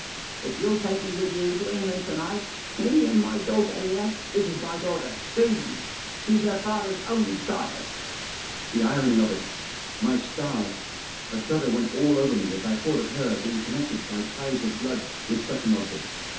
If you'll take me with you to England to night — me and my daughter here; this is my daughter, Susan. She's her father's only child." The irony of it f My stars ! A shudder went all over me as I thought of her being connected by ties of blood with such an object.